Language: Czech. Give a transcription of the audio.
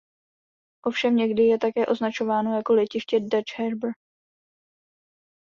Ovšem někdy je také označováno jako Letiště Dutch Harbor.